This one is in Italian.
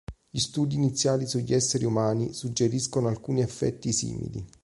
Gli studi iniziali sugli esseri umani suggeriscono alcuni effetti simili.